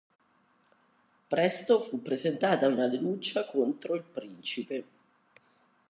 Presto fu presentata una denuncia contro il principe.